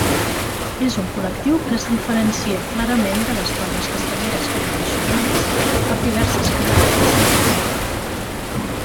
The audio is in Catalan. És un col·lectiu que es diferencia clarament de les colles castelleres convencionals per diverses característiques.